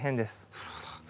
なるほど。